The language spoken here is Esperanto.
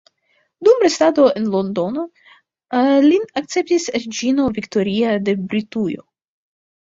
Dum restado en Londono lin akceptis reĝino Viktoria de Britujo.